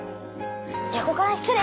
横から失礼！